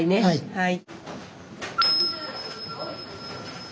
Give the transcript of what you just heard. はい。